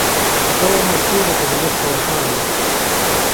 دومہ سُوریۡ تھےۡ گلیۡ ݜوݜانوۡ۔